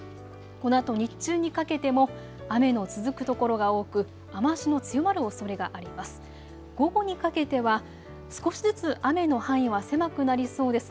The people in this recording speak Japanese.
このあと日中にかけても雨の続く所が多く、雨足の強まるおそれがあります。